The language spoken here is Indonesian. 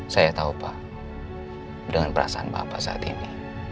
saya tahu pak dengan perasaan bapak saat ini